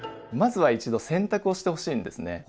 まずは一度洗濯をしてほしいんですね。